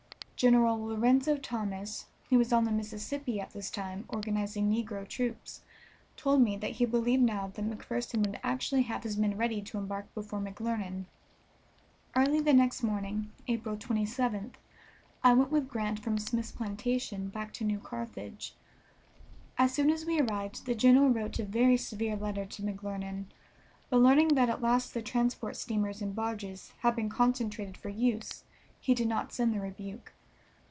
General Lorenzo Thomas, who was on the Mississippi at this time organizing negro troops, told me that he believed now that McPherson would actually have his men ready to embark before McClernand. Early the next morning, April 27th, I went with Grant from Smith's plantation back to New Carthage. As soon as we arrived the general wrote a very severe letter to McClernand, but learning that at last the transport steamers and barges had been concentrated for use he did not send the rebuke.